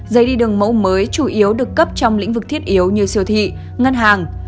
giấy đi đường mẫu mới chủ yếu được cấp trong lĩnh vực thiết yếu như siêu thị ngân hàng